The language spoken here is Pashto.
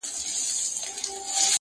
خلک خپل ژوند ته ځي تل,